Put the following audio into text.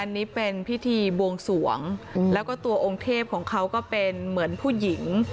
อันนี้เป็นพิธีบวงสวงแล้วก็ตัวองค์เทพของเขาก็เป็นเหมือนผู้หญิง